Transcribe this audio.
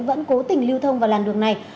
vẫn cố tình lưu thông vào làn đường này